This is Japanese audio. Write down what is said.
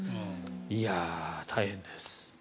いやあ、大変です。